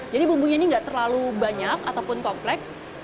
jadi bumbunya ini tidak terlalu banyak ataupun kompleks